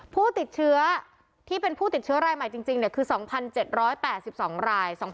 ผู้ติดเชื้อที่เป็นผู้ติดเชื้อรายใหม่จริงคือ๒๗๘๒ราย